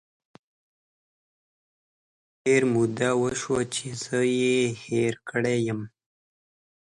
ډیره موده وشوه چې زه یې هیره کړی یمه